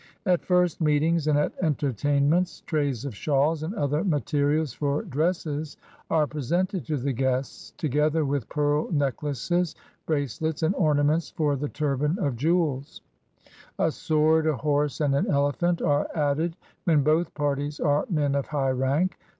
At first meetings and at entertainments, trays of shawls and other materials for dresses are presented to the guests, together with pearl necklaces, bracelets, and ornaments for the turban of jewels: a sword, a horse, and an elephant are added when both parties are men of high rank.